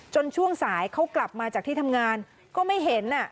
ช่วงสายเขากลับมาจากที่ทำงานก็ไม่เห็น